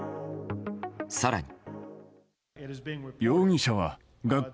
更に。